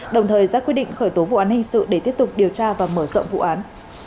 đồng thời ra quyết định khởi tố vụ án hình sự để tiếp tục điều tra và mở rộng vụ án